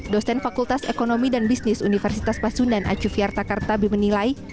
dosen fakultas ekonomi dan bisnis universitas pasundan acu fyartakarta bimenilai